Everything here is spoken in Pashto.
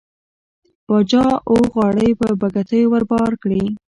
باچا اوه غاړۍ په بتکيو ور بار کړې.